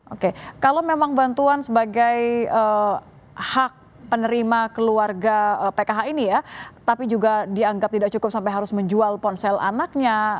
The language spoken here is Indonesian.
oke kalau memang bantuan sebagai hak penerima keluarga pkh ini ya tapi juga dianggap tidak cukup sampai harus menjual ponsel anaknya